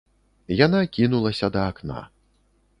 Яна кінулася да акна.